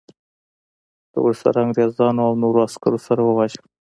د ورسره انګریزانو او نورو عسکرو سره وواژه.